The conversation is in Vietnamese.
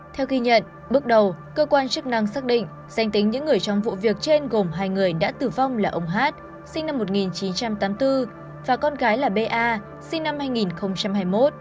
theo ghi nhận bước đầu cơ quan chức năng xác định danh tính những người trong vụ việc trên gồm hai người đã tử vong là ông hát sinh năm một nghìn chín trăm tám mươi bốn và con gái là ba sinh năm hai nghìn hai mươi một